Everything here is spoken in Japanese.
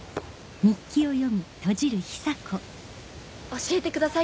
・教えてください